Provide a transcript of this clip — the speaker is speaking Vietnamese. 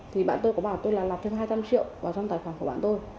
thì bạn tôi có bảo tôi là lập thêm hai trăm linh triệu vào trong tài khoản của bạn tôi